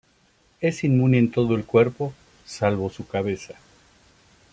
Es inmune en todo el cuerpo salvo su cabeza.